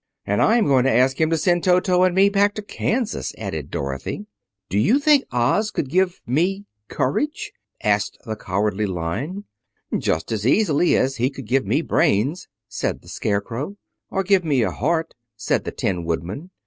"And I am going to ask him to send Toto and me back to Kansas," added Dorothy. "Do you think Oz could give me courage?" asked the Cowardly Lion. "Just as easily as he could give me brains," said the Scarecrow. "Or give me a heart," said the Tin Woodman.